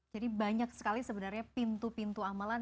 jadi banyak sekali sebenarnya pintu pintu amalan